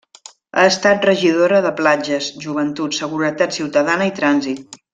Ha estat regidora de platges, joventut, seguretat ciutadana i trànsit.